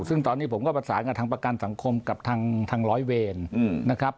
ซึ่งตอนนี้ผมก็ประสานกับทางประกันสังคมกับทางร้อยเวรนะครับ